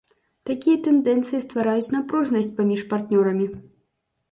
Такія тэндэнцыі ствараюць напружанасць паміж партнёрамі.